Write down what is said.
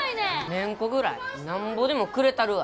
メンコぐらいなんぼでもくれたるわ。